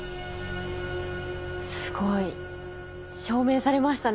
すごい。証明されましたね。